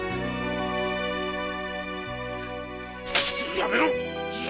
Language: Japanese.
やめろ！